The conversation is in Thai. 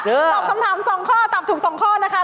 ตอบสำถามสองข้อตอบถูกสองข้อนะคะ